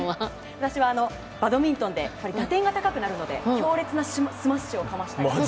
私は、バドミントンで打点が高くなるので強烈なスマッシュをかましたいです。